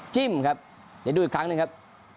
จิ้มครับเดี๋ยวดูอีกครั้งหนึ่งครับ